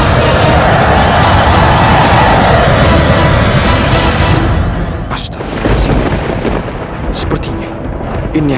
semoga allah selalu melindungi kita